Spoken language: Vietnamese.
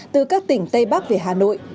từ các tỉnh tây bắc về hà nội